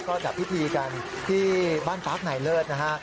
ก็จัดพิธีกันที่บ้านปาร์คนายเลิศนะฮะ